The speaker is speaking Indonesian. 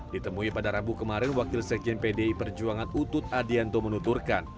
ditemui pada rabu kemarin wakil sekjen pdi perjuangan utut adianto menuturkan